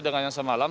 dengan yang semalam